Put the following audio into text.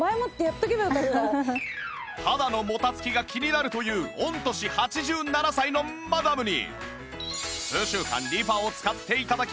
肌のもたつきが気になるという御年８７歳のマダムに